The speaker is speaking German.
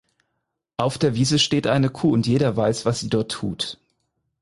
Auf der Wiese steht eine Kuh und jeder weiß, was sie dort tut.